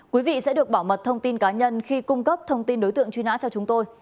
quý vị sẽ được bảo mật thông tin cá nhân khi cung cấp thông tin đối tượng truy nã cho chúng tôi